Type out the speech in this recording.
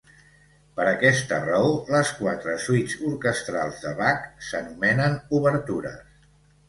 Per aquesta raó les quatre suites orquestrals de Bach s'anomenen obertures.